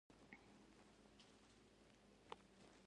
ازادي راډیو د د بشري حقونو نقض په اړه د خلکو وړاندیزونه ترتیب کړي.